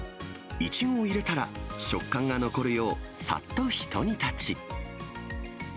イチゴを入れたら、食感が残るよう、さっとひと煮立ち。